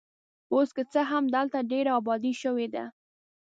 اوس که څه هم دلته ډېره ابادي شوې ده.